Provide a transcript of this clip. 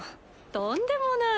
とんでもない。